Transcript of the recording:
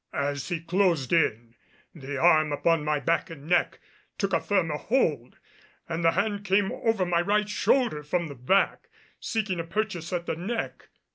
As he closed in, the arm upon my back and neck took a firmer hold and the hand came over my right shoulder from the back, seeking a purchase at the neck.